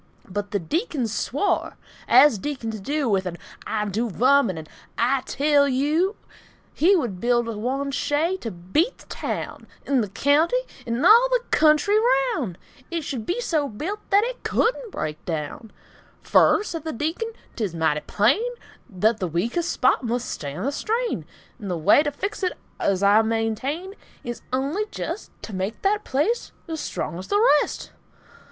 But the Deacon swore, (as Deacons do, With an "I dew vum," or an "I tell yeou,") He would build one shay to beat the taown 'N' the keounty 'n' all the kentry raoun'; It should be so built that it couldn' break daown: "Fur," said the Deacon, "'t's mighty plain Thut the weakes' place mus' stan' the strain; 'N' the way t' fix it, uz I maintain, Is only jest T' make that place uz strong uz the rest."